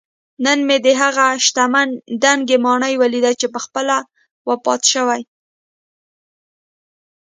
نن مې دهغه شتمن دنګه ماڼۍ ولیده چې پخپله وفات شوی